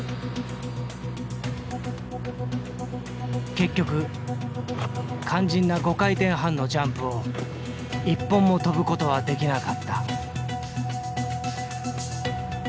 結局肝心な５回転半のジャンプを一本も飛ぶことはできなかった。